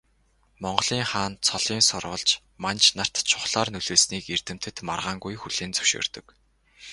Монголын хаан цолын сурвалж манж нарт чухлаар нөлөөлснийг эрдэмтэд маргаангүй хүлээн зөвшөөрдөг.